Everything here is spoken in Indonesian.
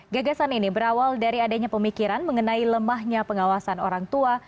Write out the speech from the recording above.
gagasan ini berawal dari adanya pemikiran mengenai lemahnya pengawasan orang tua